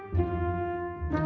gak ada apa apa